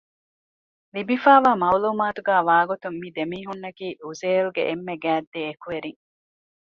ލިބިފައިވާ މަޢުލޫމާތުގައި ވާގޮތުން މި ދެމީހުންނަކީ އުޒޭލްގެ އެންމެ ގާތް ދެއެކުވެރިން